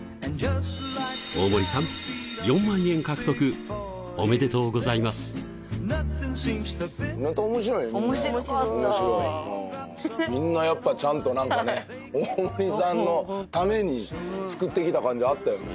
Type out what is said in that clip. みんな面白かったみんなやっぱちゃんとなんかね大森さんのために作ってきた感じあったよね